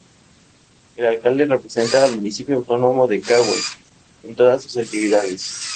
El alcalde representa al Municipio Autónomo de Caguas en todas sus actividades.